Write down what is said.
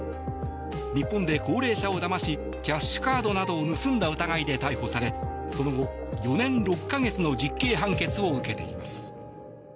日本で高齢者をだましキャッシュカードなどを盗んだ疑いで逮捕されその後、４年６か月の実刑判決を受けています。